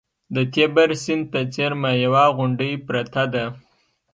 د تیبر سیند ته څېرمه یوه غونډۍ پرته ده